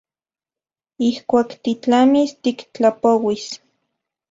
Ijkuak titlamis tiktlapouis.